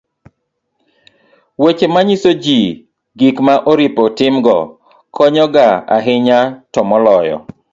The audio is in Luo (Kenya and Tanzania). weche manyiso ji gik ma oripo timgo konyo ga ahinya to moloyo